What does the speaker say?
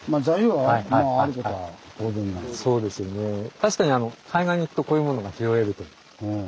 確かに海岸に行くとこういうものが拾えるという。